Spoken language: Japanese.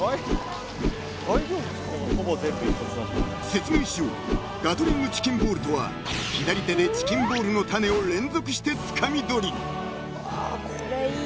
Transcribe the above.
［説明しようガトリングチキンボールとは左手でチキンボールの種を連続してつかみ取り］